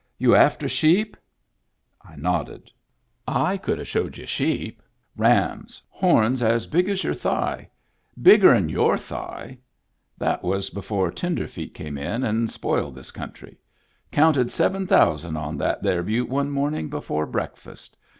" You after sheep ?" I nodded. Digitized by Google 130 MEMBERS OF THE FAMILY " I could a showed you sheep. Rams. Horns as big as your thigh — bigger'n your thigh. That was before tenderfeet came in and spoiled this country. Counted seven thousand on. that there butte one morning before breakfast.